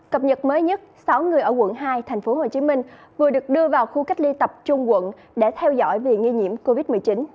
cập nhật mới nhất sáu người ở quận hai tp hcm vừa được đưa vào khu cách ly tập trung quận để theo dõi vì nghi nhiễm covid một mươi chín